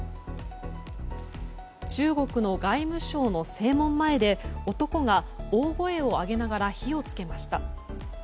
中国の外務省の正門前で男が大声を上げながら火を付けました。